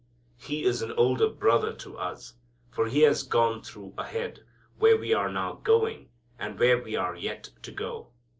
He is an older Brother to us, for He has gone through ahead where we are now going, and where we are yet to go.